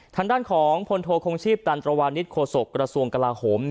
ทางด้านของพลโทคงชีพตันตรวานิสโฆษกระทรวงกลาโหม